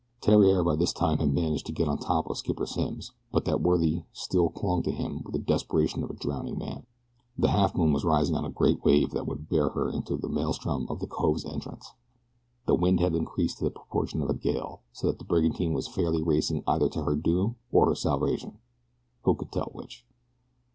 Theriere by this time had managed to get on top of Skipper Simms, but that worthy still clung to him with the desperation of a drowning man. The Halfmoon was rising on a great wave that would bear her well into the maelstrom of the cove's entrance. The wind had increased to the proportions of a gale, so that the brigantine was fairly racing either to her doom or her salvation who could tell which?